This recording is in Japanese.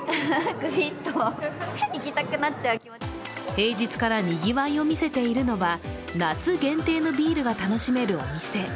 平日からにぎわいを見せているのは、夏限定のビールが楽しめるお店。